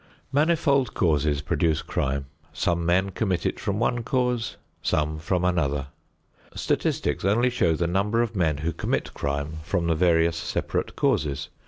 Manifold causes produce crime; some men commit it from one cause: some from another. Statistics only show the number of men who commit crime from the various separate causes.